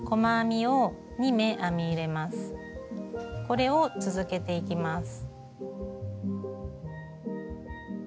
これを続けていきます。